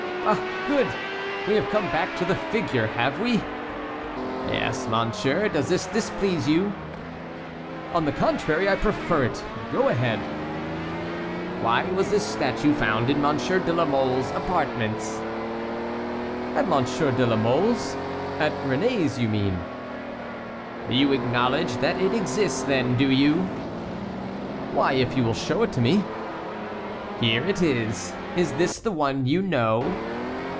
"Ah, good! we have come back to the figure, have we?" "Yes, monsieur; does this displease you?" "On the contrary, I prefer it; go ahead." "Why was this statue found in Monsieur de la Mole's apartments?" "At Monsieur de la Mole's? At Réné's, you mean?" "You acknowledge that it exists, then, do you?" "Why, if you will show it to me." "Here it is. Is this the one you know?"